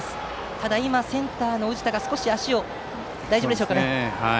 ただ、センターの宇治田足は大丈夫でしょうか。